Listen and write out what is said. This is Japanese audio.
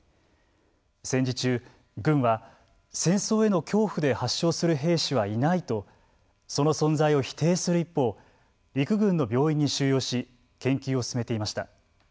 戦時中、軍は、戦争への恐怖で発症する兵士はいないとその存在を否定する一方陸軍の病院に収容し研究を進めていました。